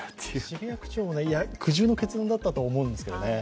渋谷区長も苦渋の決断だったと思うんですけどね